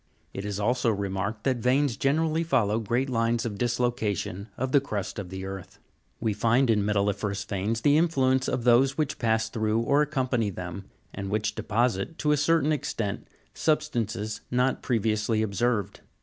It is also remarked that veins generally follow great lines of dislocation of the crust of the earth. We find in metalli'ferous veins the influence of those which pass through or accompany them, and which deposit, to a certain extent, substances not previously observed.